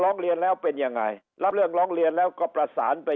ร้องเรียนแล้วเป็นยังไงรับเรื่องร้องเรียนแล้วก็ประสานไป